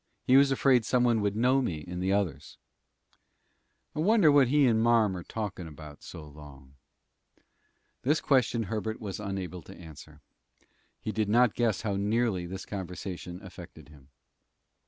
He was afraid some one would know me in the others." "I wonder what he and marm are talking about so long?" This question Herbert was unable to answer. He did not guess how nearly this conversation affected him.